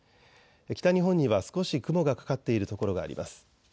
北日本には少し雲がかかっている所があります。